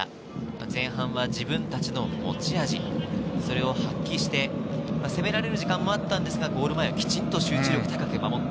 前半は自分たちの持ち味、それを発揮して、攻められる時間もあったんですが、ゴール前を集中力を高く守って。